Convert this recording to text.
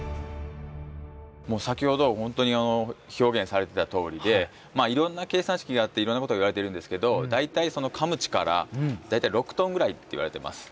もう先ほど本当に表現されてたとおりでいろんな計算式があっていろんなことがいわれてるんですけど大体そのかむ力大体６トン。いけますよね。